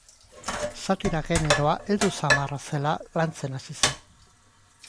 Satira-generoa heldu samarra zela lantzen hasi zen.